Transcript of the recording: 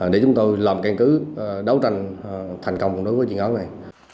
để chúng tôi làm càng cứ đấu tranh thành công đối với chiến ấn này